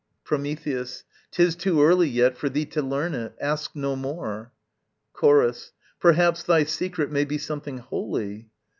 Prometheus. 'Tis too early yet For thee to learn it: ask no more. Chorus. Perhaps Thy secret may be something holy?